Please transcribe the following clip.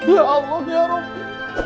ya allah ya rumi